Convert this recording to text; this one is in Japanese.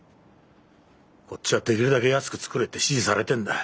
こっちはできるだけ安く作れって指示されてんだ。